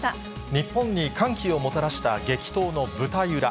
日本に歓喜をもたらした激闘の舞台裏。